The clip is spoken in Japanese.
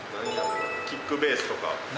キックベースとか。